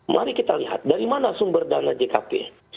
mari kita lihat dari mana sumber dana jkp